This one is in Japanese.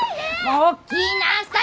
起きなさい！